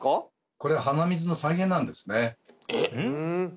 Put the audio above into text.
これは鼻水の再現なんですね